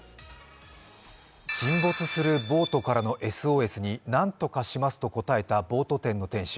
沈没するボートからのＳＯＳに何とかしますと答えたボート店の店主。